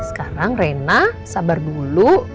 sekarang reina sabar dulu